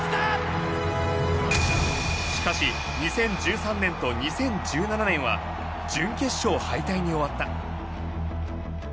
しかし２０１３年と２０１７年は準決勝敗退に終わった。